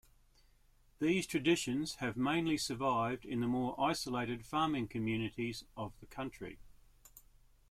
These traditions have mainly survived in the more isolated farming communities of the country.